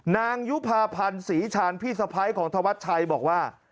นางยุภาพันธ์ศรีชาญพี่สะพ้ายของธวัชชัยบอกว่า